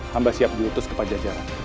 hamba siap diutus kepada jajaran